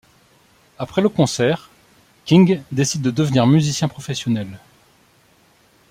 Après le concert, King décide de devenir musicien professionnel.